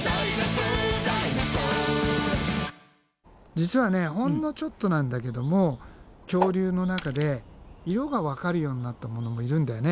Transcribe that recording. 実はほんのちょっとなんだけども恐竜の中で色がわかるようになったものもいるんだよね。